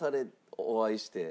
お会いして。